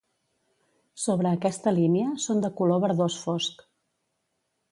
Sobre aquesta línia, són de color verdós fosc.